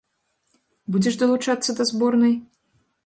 Будзеш далучацца да зборнай?